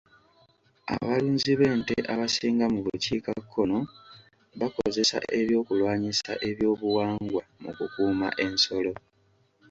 Abalunzi b'ente abasinga mu bukiikakkono bakozesa eby'okulwanyisa ebyobuwangwa mu kukuuma ensolo.